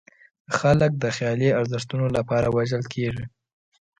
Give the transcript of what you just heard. خلک د خیالي ارزښتونو لپاره وژل کېږي.